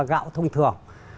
gạo thông thường